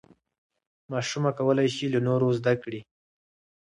ماشومه کولی شي له نورو زده کړي.